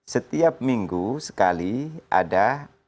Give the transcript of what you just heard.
setiap minggu sekali ada